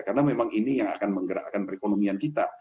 karena memang ini yang akan menggerakkan perekonomian kita